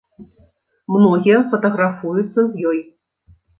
Многія фатаграфуюцца з ёй.